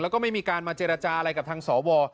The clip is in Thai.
แล้วก็ไม่มีการมาเจรจาอะไรกับทางสว